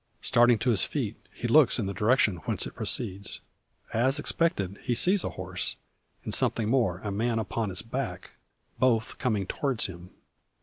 Starting to his feet, he looks in the direction whence it proceeds. As expected, he sees a horse; and something more, a man upon its back, both coming towards him.